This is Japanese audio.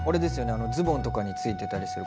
あのズボンとかについてたりする